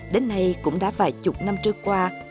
đến nay cũng đã vài chục năm trôi qua